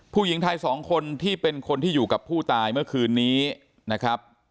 ผู้หญิงไทยสองคนที่เป็นคนที่อยู่กับผู้ตายเมื่อคืนนี้นะครับ